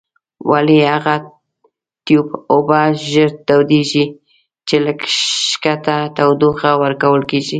ولې هغه تیوب اوبه ژر تودیږي چې له ښکته تودوخه ورکول کیږي؟